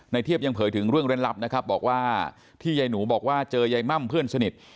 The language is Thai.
เทียบยังเผยถึงเรื่องเล่นลับนะครับบอกว่าที่ยายหนูบอกว่าเจอยายม่ำเพื่อนสนิท